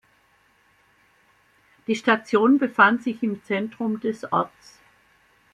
Die Station befand sich im Zentrum des Orts.